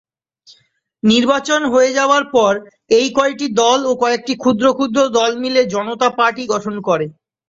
নির্বাচন হয়ে যাওয়ার পর এই কয়টি দল ও কয়েকটি ক্ষুদ্র ক্ষুদ্র দল মিলে জনতা পার্টি গঠন করে।